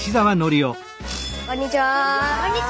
こんにちは。